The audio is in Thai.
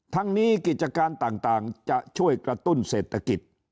ทั้งนี้กิจการต่างจะช่วยกระตุ้นเศรษฐกิจ